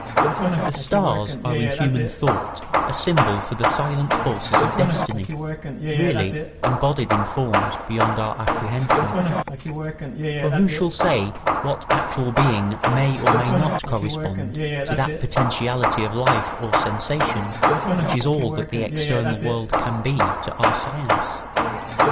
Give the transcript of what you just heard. The stars are in human thought a symbol for the silent forces of destiny, really embodied in forms beyond our apprehension; for who shall say what actual being may or may not correspond to that potentiality of life or sensation which is all that the external world can be to our science?